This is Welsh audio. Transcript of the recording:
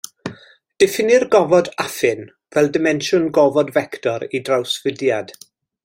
Diffinnir gofod affin fel dimensiwn gofod fector ei drawsfudiad.